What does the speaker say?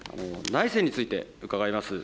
内政について伺います。